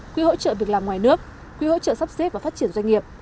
quỹ hỗ trợ việc làm ngoài nước quỹ hỗ trợ sắp xếp và phát triển doanh nghiệp